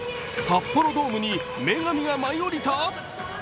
札幌ドームに女神が舞い降りた？